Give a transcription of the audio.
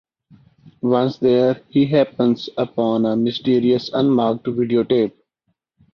Once there he happens upon a mysterious unmarked videotape.